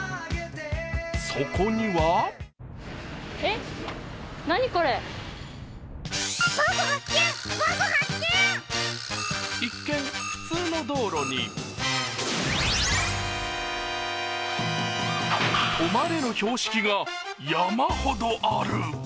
そこには一見、普通の道路に、「止まれ」の標識が山ほどある。